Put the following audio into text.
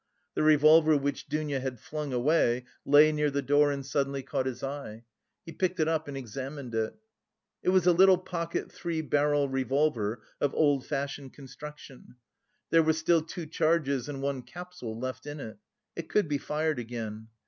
The revolver which Dounia had flung away lay near the door and suddenly caught his eye. He picked it up and examined it. It was a little pocket three barrel revolver of old fashioned construction. There were still two charges and one capsule left in it. It could be fired again.